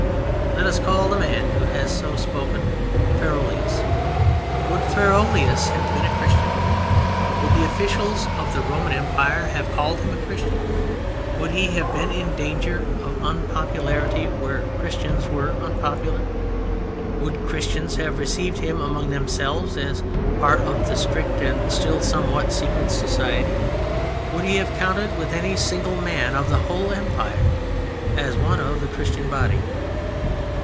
Let us call the man who has so spoken, Ferreolus. Would Ferreolus have been a Christian? Would the officials of the Roman Empire have called him a Christian? Would he have been in danger of unpopularity where Christians were unpopular? Would Christians have received him among themselves as part of their strict and still somewhat secret society? Would he have counted with any single man of the whole Empire as one of the Christian body?